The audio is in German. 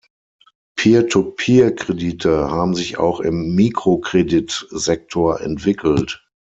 Peer-to-Peer-Kredite haben sich auch im Mikrokredit-Sektor entwickelt.